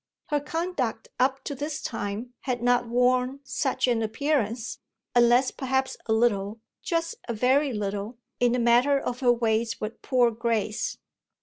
Her conduct up to this time had not worn such an appearance, unless perhaps a little, just a very little, in the matter of her ways with poor Grace.